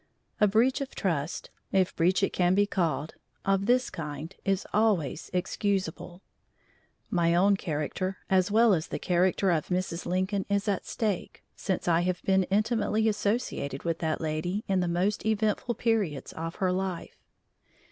A breach of trust if breach it can be called of this kind is always excusable. My own character, as well as the character of Mrs. Lincoln, is at stake, since I have been intimately associated with that lady in the most eventful periods of her life.